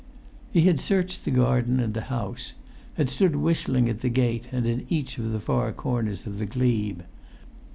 He had searched the garden and the house; had stood whistling at the gate, and in each of the far corners of the glebe.